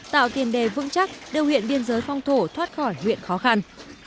tạo tiền đề vững chắc đều hiện biên giới phong thủ thoát khỏi nguyện khó khăn